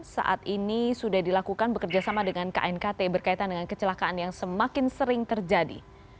saat ini sudah dilakukan bekerjasama dengan knkt berkaitan dengan kecelakaan yang semakin sering terjadi